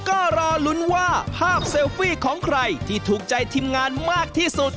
ก็รอลุ้นว่าภาพเซลฟี่ของใครที่ถูกใจทีมงานมากที่สุด